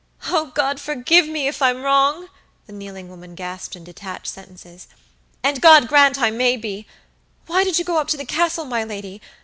"Oh, God forgive me if I'm wrong!" the kneeling woman gasped in detached sentences, "and God grant I may be. Why did you go up to the Castle, my lady?